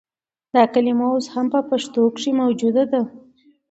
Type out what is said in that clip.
دا کلمه اوس هم په پښتو کښې موجوده ده